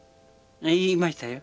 いましたよ。